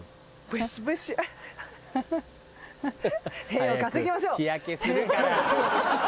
「へぇ」を稼ぎましょう！